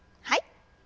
はい。